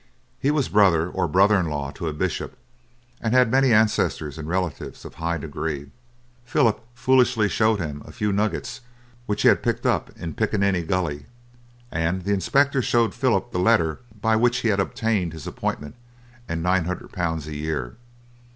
He was brother or brother in law to a bishop, and had many ancestors and relatives of high degree. Philip foolishly showed him a few nuggets which he had picked up in Picaninny Gully, and the inspector showed Philip the letter by which he had obtained his appointment and 900 pounds a year.